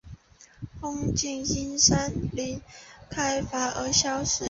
风景因山林开垦而消失